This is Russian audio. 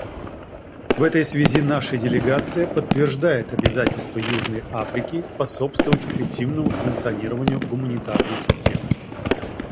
В этой связи наша делегация подтверждает обязательство Южной Африки способствовать эффективному функционированию гуманитарной системы.